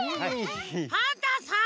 パンタンさん！